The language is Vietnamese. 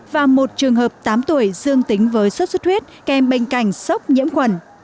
và một trường hợp tám tuổi dương tính với sốt xuất huyết kèm bệnh cảnh sốc nhiễm khuẩn